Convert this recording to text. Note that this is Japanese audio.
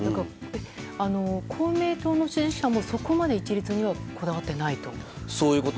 公明党の支持者もそこまで一律にはこだわっていないと。